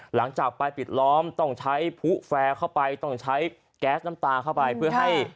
หลังจากไปปิดล้อมต้องใช้ผู้แฟร์เข้าไปต้องใช้แก๊สน้ำตาเข้าไปเพื่อให้